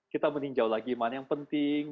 kita meninjau lagi mana yang penting